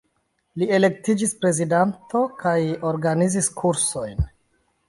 Li elektiĝis prezidanto kaj organizis kursojn.